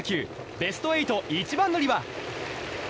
ベスト８、一番乗りは？